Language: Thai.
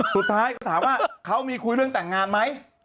สุดท้ายก็ถามว่าเขามีคุยเรื่องแต่งงานไหม